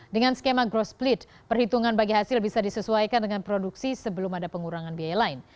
dengan skema growt split perhitungan bagi hasil bisa disesuaikan dengan produksi sebelum ada pengurangan biaya lain